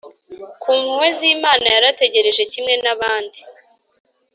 ku mpuhwe z’imana. yarategereje kimwe n’abandi